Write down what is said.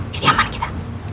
jadi aman kita